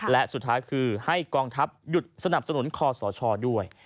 และสุดท้ายคือให้กองทัพหยุดสนับสนุนคอสชด้วย